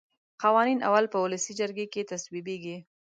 قوانین اول په ولسي جرګه کې تصویبیږي.